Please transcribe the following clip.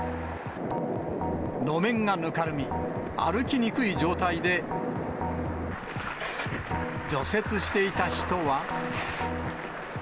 路面がぬかるみ、歩きにくい状態で、除雪していた人は。